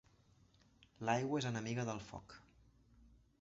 L'aigua és enemiga del foc.